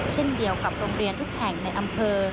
เช่นเดียวกับโรงเรียนทุกแห่งในอำเภอ